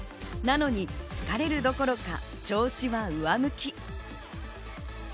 なのに疲れるどころか調子は上向き。